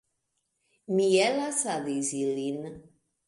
Mi ellasadis ilin.